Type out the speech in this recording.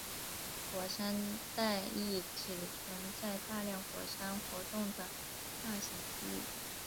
火山带意指存在大量火山活动的大型区域。